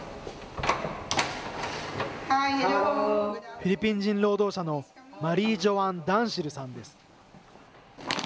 フィリピン人労働者のマリージョアン・ダンシルさんです。